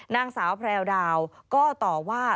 นางสาวแพรวดาวก็ต่อว่า